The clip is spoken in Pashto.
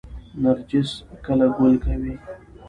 نرجس کله ګل کوي؟